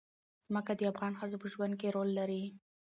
ځمکه د افغان ښځو په ژوند کې رول لري.